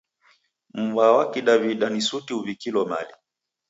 Mwa wa Kidaw'ida ni suti uw'ikilo mali.